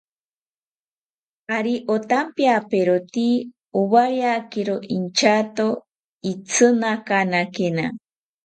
Ari otampiaperote owariakiro intyato itzinakakena